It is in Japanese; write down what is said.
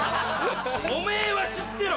おめぇは知ってろ！